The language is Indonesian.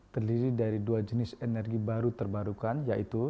terdiri dari dua jenis energi baru terbarukan yaitu